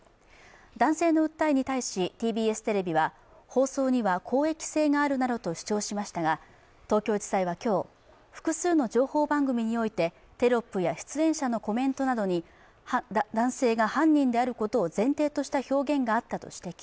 男性の訴えに対し、ＴＢＳテレビは放送には公益性があるなどと主張しましたが、東京地裁は今日、複数の情報番組にいてテロップや出演者のコメントなどに男性が犯人であることを前提とした表現があったと指摘。